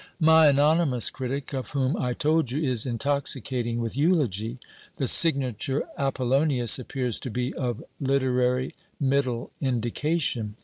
'My anonymous critic, of whom I told you, is intoxicating with eulogy. The signature "Apollonius" appears to be of literary middle indication.